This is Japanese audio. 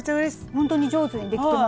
ほんとに上手にできてます。